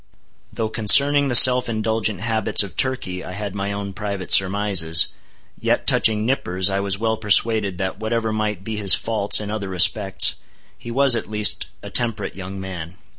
Though concerning the self indulgent habits of Turkey I had my own private surmises, yet touching Nippers I was well persuaded that whatever might be his faults in other respects, he was, at least, a temperate young man.